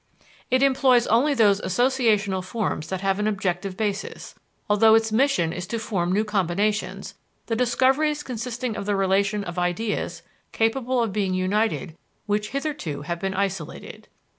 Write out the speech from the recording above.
It employs only those associational forms that have an objective basis, although its mission is to form new combinations, "the discoveries consisting of the relation of ideas, capable of being united, which hitherto have been isolated."